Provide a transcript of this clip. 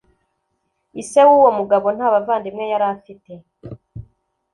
ise w’uwo mugabo nta bavandimwe yari afite.